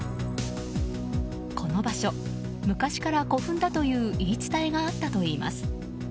この場所、昔から古墳だという言い伝えがあったといいます。